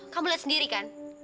kamu lihat sendiri kan